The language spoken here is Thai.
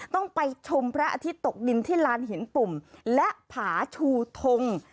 ต้องไปชมพระอาทิตย์ตกดินที่ลานหินปุ่มและผาชูทง